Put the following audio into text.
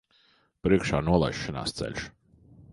Priekšā nolaišanās ceļš.